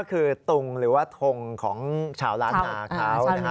ก็คือตุงหรือว่าทงของชาวร้านหมาเขา